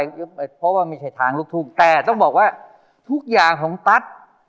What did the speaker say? เพราะว่าไม่ใช่ทางลูกทุ่งแต่ต้องบอกว่าทุกอย่างของตั๊ด